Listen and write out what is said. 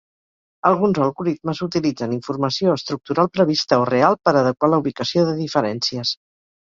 Alguns algoritmes utilitzen informació estructural prevista o real per adequar la ubicació de diferències.